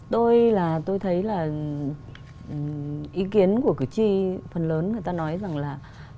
tôi là tôi thấy là ý kiến của cử tri phần lớn người ta nói rằng là